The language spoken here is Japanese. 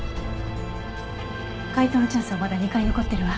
解答のチャンスはまだ２回残ってるわ。